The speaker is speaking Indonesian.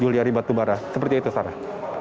juliari batubara seperti itu sarah